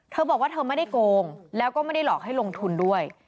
เธอบอกว่าเธอไม่ได้โกงแล้วก็ไม่ได้หลอกให้ลงทุนด้วย